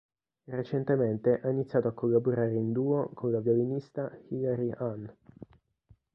Recentemente ha iniziato a collaborare in duo con la violinista Hilary Hahn.